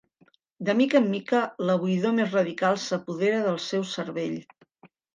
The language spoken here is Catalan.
De mica en mica la buidor més radical s'apodera del seu cervell.